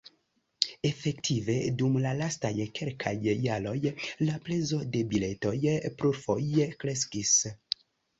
Efektive, dum la lastaj kelkaj jaroj, la prezo de biletoj plurfoje kreskis.